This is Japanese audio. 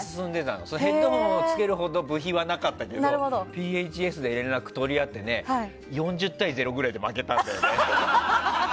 ヘッドホンをつけるほど部費はなかったけどＰＨＳで連絡を取り合って４０対０ぐらいで負けたんだよね。